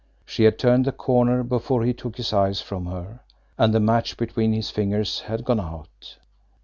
She had turned the corner before he took his eyes from her, and the match between his fingers had gone out.